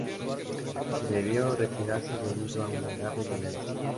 Se debió retirarse debido a una grave dolencia.